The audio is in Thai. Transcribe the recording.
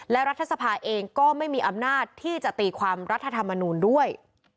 และรัฐสภาเองก็ไม่มีอำนาจที่จะตีความรัฐธรรมนูลด้วย